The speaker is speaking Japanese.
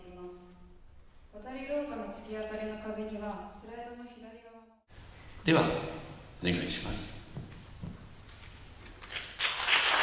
渡り廊下の突き当たりの壁にはスライドの左側・ではお願いします